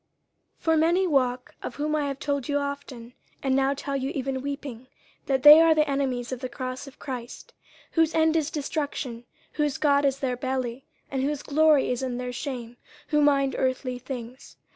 50:003:018 (For many walk, of whom I have told you often, and now tell you even weeping, that they are the enemies of the cross of Christ: 50:003:019 Whose end is destruction, whose God is their belly, and whose glory is in their shame, who mind earthly things.)